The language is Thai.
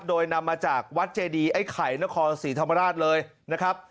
โดยนำมาจากวัดเจดีไอ้ไข่นครศรีธรรมราชเลยนะครับ